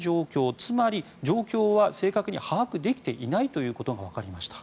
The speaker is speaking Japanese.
つまり、状況は正確に把握できていないということがわかりました。